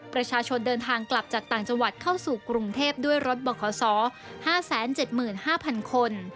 ประชาชนเดินทางกลับจากต่างจังหวัดเข้าสู่กรุงเทพด้วยรถบขศ๕๗๕๐๐คน